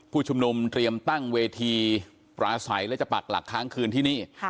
ผู้ชุมนุมเตรียมตั้งเวทีปราศัยและจะปักหลักค้างคืนที่นี่